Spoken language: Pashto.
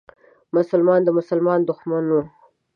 مسلمان د مسلمان دښمن و.